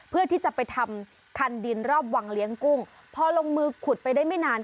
เพื่อที่จะไปทำคันดินรอบวังเลี้ยงกุ้งพอลงมือขุดไปได้ไม่นาน